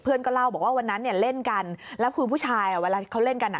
เพื่อนก็เล่าว่าวันนั้นเล่นกันแล้วคือผู้ชายเวลาเขาเล่นกัน